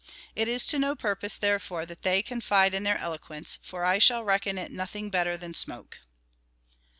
It is to no purpose, therefore, that they confide in their eloquence, for I shall reckon it nothing bet ter than smoke."